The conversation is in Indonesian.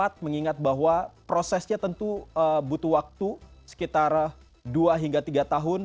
mengingat bahwa prosesnya tentu butuh waktu sekitar dua hingga tiga tahun